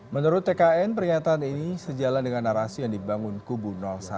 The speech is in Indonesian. menurut tkn pernyataan ini sejalan dengan narasi yang dibangun kubu satu